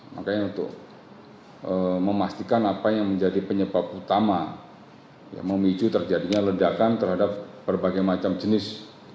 makanya untuk memastikan apa yang menjadi penyebab utama memicu terjadinya ledakan terhadap berbagai macam jenis